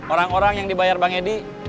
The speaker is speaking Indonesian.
orang orang yang dibayar bang edi